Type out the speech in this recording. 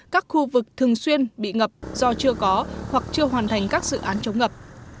các khu vực thường xuyên bị ngập do chưa có hoặc chưa hoàn thành các dự án chống ngập